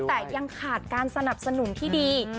แต่ยังขาดการสนับสนุนที่ดี